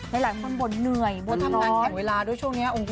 ในหลังมันบนเหนื่อยบนทำงานแข่งเวลาด้วยช่วงนี้อุ่ง